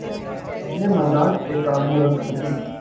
اپنے مزاج پہ قابو رکھ سکے۔